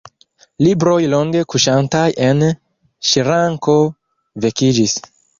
Libroj longe kuŝantaj en ŝranko vekiĝis.